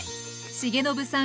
重信さん